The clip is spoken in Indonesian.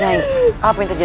prabu siliwangi memang kejam